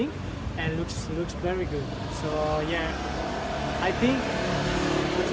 sangat bagus jika semua orang bisa datang ke sini